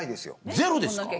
ゼロですか。